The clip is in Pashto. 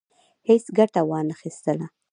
هیڅ ګټه وانه خیستله.